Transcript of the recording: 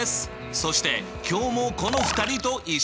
そして今日もこの２人と一緒だよ。